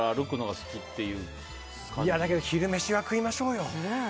だけど昼飯は食いましょうよ。